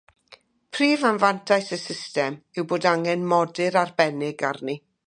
Prif anfantais y system yw bod angen modur arbennig arni.